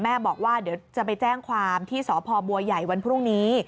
บอกว่าเดี๋ยวจะไปแจ้งความที่สพบัวใหญ่วันพรุ่งนี้